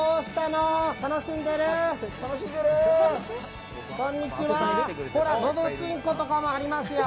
のどちんことかもありますよ。